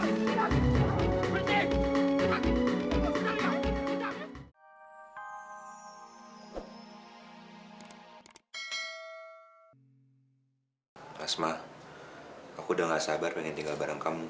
sampai jumpa di video selanjutnya